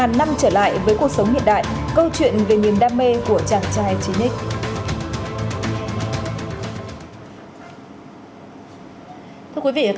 lợi sự như ý